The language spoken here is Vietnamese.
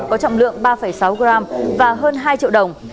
có trọng lượng ba sáu g và hơn hai triệu đồng